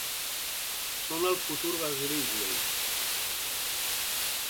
Són el futur de Wrigley.